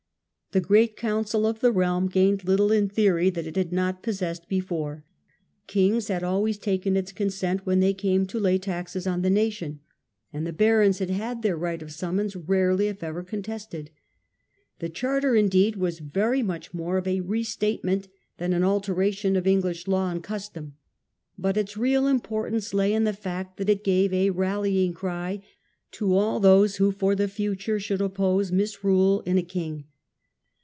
The great council of the realm gained little in theory that it had not possessed before: kings had always taken its consent when they came to lay taxes on the nation. And the barons had had their right of summons rarely if ever contested. The charter indeed was very much more of a restatement than an alteration of English law and custom. But its real importance lay in the fact that it gave a rallying cry to all those who for the future should oppose misrule in a king.